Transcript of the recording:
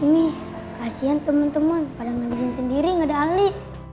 ini kasihan temen temen pada mandi sendiri gak ada ali